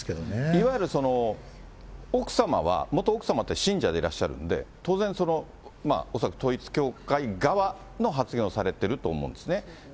いわゆる奥様は、元奥様は信者でいらっしゃるので、当然、恐らく統一教会側の発言をされてると思うんですね。